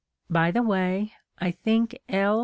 By the way, I think "L.'